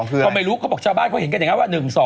เพราะไม่รู้เค้าบอกชาวบ้านเค้าเห็นกันอย่างงี้ว่า